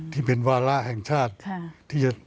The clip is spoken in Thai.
ที่เป็นวาระแห่งชาติ